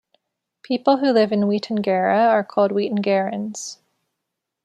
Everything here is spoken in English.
People who live in Weetangera are called Weetangerans.